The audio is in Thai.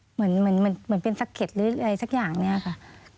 เหมือนเป็นสักเข็ดหรืออะไรสักอย่างเนี่ยค่ะ